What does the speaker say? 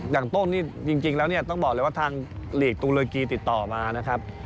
อย่างต้นนี่จริงแล้วเนี่ยต้องบอกเลยว่าทางหลีกตุลกีติดต่อมานะครับ